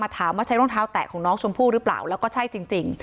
ถามว่าใช้รองเท้าแตะของน้องชมพู่หรือเปล่าแล้วก็ใช่จริง